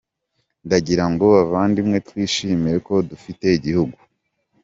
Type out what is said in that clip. Ndagirango bavandimwe twishimire ko dufite igihugu.